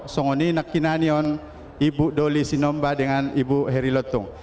soalnya nakinan ini ibu doli sinomba dengan ibu heri lotung